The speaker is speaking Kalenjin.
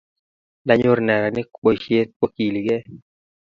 nda nyor neranik boishet ko kiligei